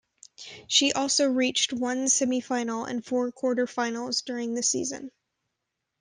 She also reached one semifinal and four quarterfinals during the season.